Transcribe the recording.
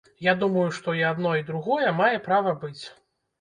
Я думаю, што і адно, і другое мае права быць.